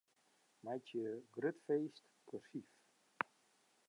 Meitsje 'grut feest' kursyf.